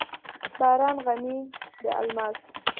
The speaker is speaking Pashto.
باران غمي د الماس،